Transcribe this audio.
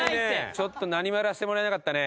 ちょっと何もやらせてもらえなかったね。